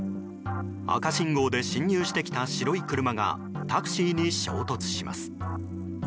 赤信号で進入してきた白い車がタクシーに衝突します。